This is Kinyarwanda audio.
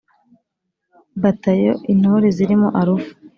Batayo intore zirimo Alpha,